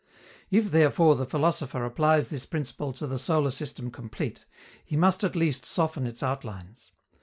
If, therefore, the philosopher applies this principle to the solar system complete, he must at least soften its outlines.